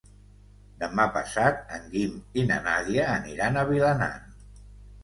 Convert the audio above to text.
Demà passat en Guim i na Nàdia aniran a Vilanant.